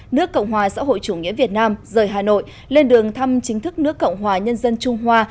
nước cộng hòa xã hội chủ nghĩa việt nam rời hà nội lên đường thăm chính thức nước cộng hòa nhân dân trung hoa